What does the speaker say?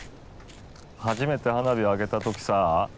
初めて花火を上げた時さ。